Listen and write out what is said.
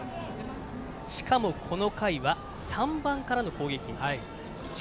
しかも、この回は３番からの攻撃。